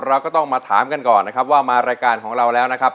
เราก็ต้องมาถามกันก่อนนะครับว่ามารายการของเราแล้วนะครับ